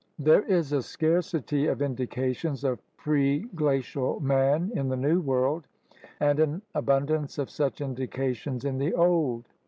There is a scarcity of indications of preglacial man in the New World and an abundance of such indications in the Old.